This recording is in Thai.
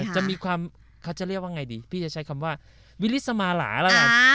จะมีความเขาจะเรียกว่าไงดีพี่จะใช้คำว่าวิลิสมาหลาแล้วกัน